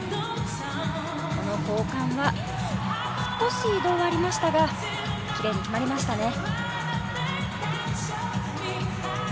この交換は少し移動がありましたがきれいに決まりましたね。